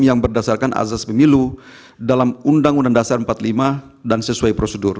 yang berdasarkan azas pemilu dalam undang undang dasar empat puluh lima dan sesuai prosedur